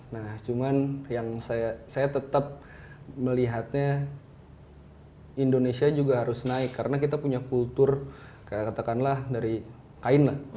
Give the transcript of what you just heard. nah cuman yang saya tetap melihatnya indonesia juga harus naik karena kita punya kultur kayak katakanlah dari kain lah